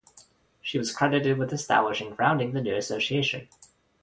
She was credited with establishing grounding the new association.